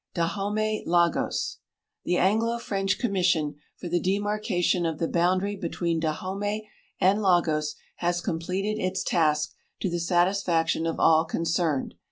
• Damomkv Lagos. The Anglo French commission for the demarcation of the boundary between Dahomey and Lagtis has coiii|)leted its task to the satisfaction of all concerned.